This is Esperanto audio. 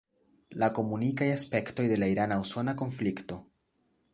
La komunikaj aspektoj de la irana-usona konflikto.